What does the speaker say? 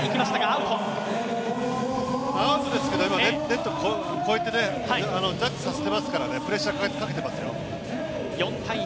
アウトですけど、今、ネットを越えてジャッジさせてますからプレッシャーかけてますよ。